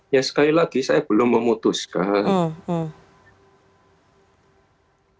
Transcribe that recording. ya sekali lagi saya belum memutuskan